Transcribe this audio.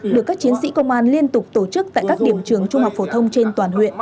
được các chiến sĩ công an liên tục tổ chức tại các điểm trường trung học phổ thông trên toàn huyện